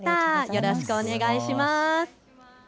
よろしくお願いします。